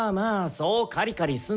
そうカリカリすんなよ